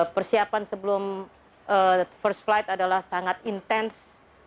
persiapan sebelum first flight adalah sangat intens